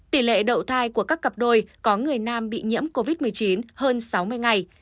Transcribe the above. tỷ lệ đậu thai của các cặp đôi có người nam bị nhiễm covid một mươi chín hơn sáu mươi ngày